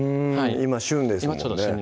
今旬ですもんね